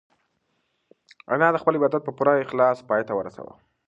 انا خپل عبادت په پوره اخلاص پای ته ورساوه.